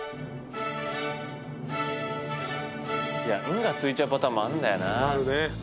「ん」が付いちゃうパターンもあるんだよな。